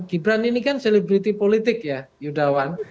gibran ini kan selebriti politik ya yudawan